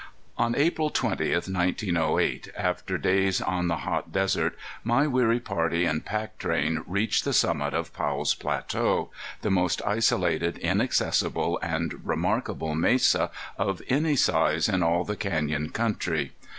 On April 20th, 1908, after days on the hot desert, my weary party and pack train reached the summit of Powell's Plateau, the most isolated, inaccessible and remarkable mesa of any size in all the canyon country.